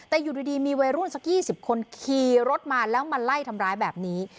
แต่อยู่ดีมีวัยรุ่นสัก๒๐คนขี่รถมาแล้วมาไล่ทำร้ายแบบนี้